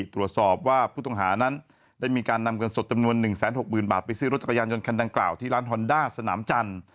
ตรวจสอบว่าผู้ต้องหานั้นได้มีการนำเงินสดจำนวน๑๖๐๐๐บาทไปซื้อรถจักรยานยนต์คันดังกล่าวที่ร้านฮอนด้าสนามจันทร์